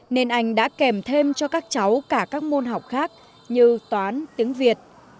nên anh đã kèm thêm cho các cháu cả các môn học khác như toán tiếng việt